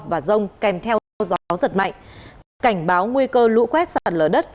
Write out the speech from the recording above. và rông kèm theo gió giật mạnh cảnh báo nguy cơ lũ quét sạt lở đất